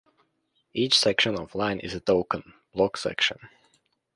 Each section of line is a token "block section".